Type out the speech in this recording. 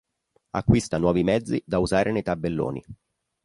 Acquista nuovi mezzi da usare nei tabelloni.